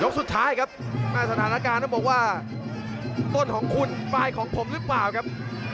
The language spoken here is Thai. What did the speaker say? สุดท้ายครับสถานการณ์ต้องบอกว่าต้นของคุณปลายของผมหรือเปล่าครับ